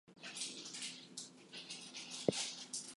He began to work for Chr.